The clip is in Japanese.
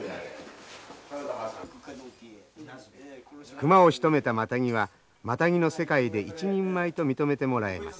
熊をしとめたマタギはマタギの世界で一人前と認めてもらえます。